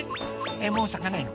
えっもうさかないの？